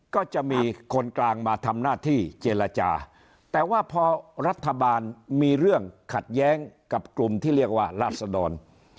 ก็จะมีคนกลางมาทำหน้าที่เจรจาแต่ว่าพอรัฐบาลมีเรื่องขัดแย้งกับกลุ่มที่เรียกว่าราศดร